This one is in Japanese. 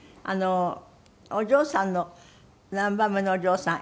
お嬢さんの何番目のお嬢さん？